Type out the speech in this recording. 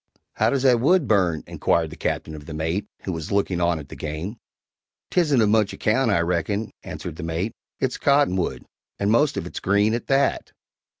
"How does that wood burn?" inquired the Captain of the mate, who was looking on at the game. "'Tisn't of much account, I reckon," answered the mate; "it's cottonwood, and most of it green at that."